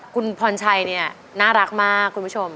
คุณพรชัยเนี่ยน่ารักมากคุณผู้ชม